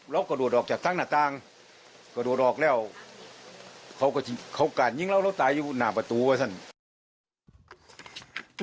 เรากระโดดอกจากตั้งกระโดดอกแล้วเขาการยิงเราเราตายอยู่หน้าประตูไว้สิ